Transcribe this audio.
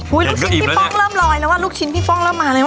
ลูกชิ้นพี่ป้องเริ่มลอยแล้วอ่ะลูกชิ้นพี่ป้องเริ่มมาแล้ว